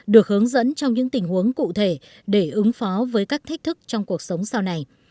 được hướng dẫn trong những tình huống cụ thể để ứng phó với các thách thức trong cuộc sống sau này